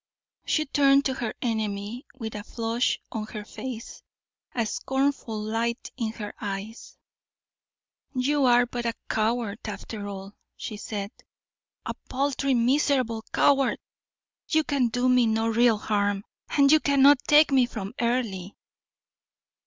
She turned to her enemy, with a flush on her face, a scornful light in her eyes. "You are but a coward after all," she said, "a paltry, miserable coward! You can do me no real harm, and you cannot take me from Earle."